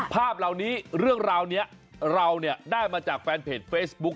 ภาพเหล่านี้เรื่องราวนี้เราเนี่ยได้มาจากแฟนเพจเฟซบุ๊ค